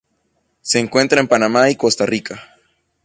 Se encuentra en Panamá y Costa Rica.